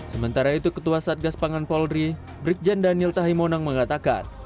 sementara itu ketua satgas pangan polri brikjen daniel tahimonang mengatakan